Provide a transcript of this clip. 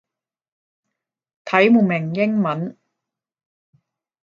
睇唔明英文